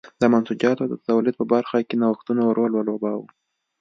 د منسوجاتو د تولید په برخه کې نوښتونو رول ولوباوه.